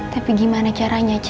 tapi gimana caranya ce